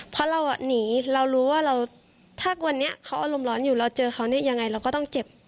เพราะเราหนีเรารู้ว่าเราถ้าวันนี้เขาอารมณ์ร้อนอยู่เราเจอเขาเนี่ยยังไงเราก็ต้องเจ็บ